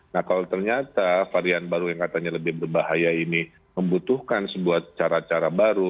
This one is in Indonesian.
nah kalau ternyata varian baru yang katanya lebih berbahaya ini membutuhkan sebuah cara cara baru